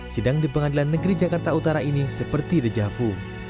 sidang di pengadilan negeri jakarta utara ini seperti dejavu